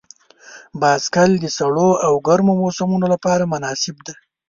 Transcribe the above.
بایسکل د سړو او ګرمو موسمونو لپاره مناسب دی.